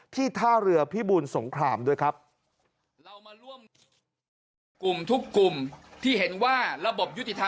ท่าเรือพิบูลสงครามด้วยครับ